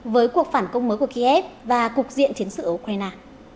với cuộc phản công mới của kiev và cục diện chiến sự ở ukraine